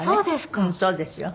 うんそうですよ。